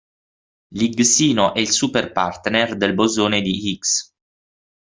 L'higgsino è il superpartner del bosone di Higgs.